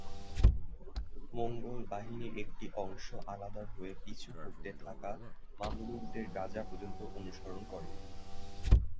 মঙ্গোল বাহিনীর একটি অংশ আলাদা হয়ে পিছু হটতে থাকা মামলুকদের গাজা পর্যন্ত অনুসরণ করে।